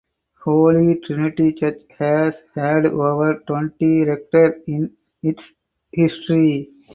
Holy Trinity Church has had over twenty rectors in its history.